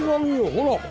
ほら！